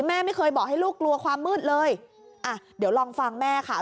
แม่ไม่เคยบอกให้ลูกกลัวความมืดเลยอ่ะเดี๋ยวลองฟังแม่ค่ะ